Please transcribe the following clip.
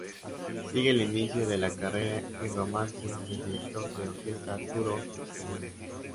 Sigue el inicio de la carrera y romances del director de orquesta Arturo Toscanini.